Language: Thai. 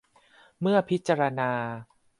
เพื่อพิจารณา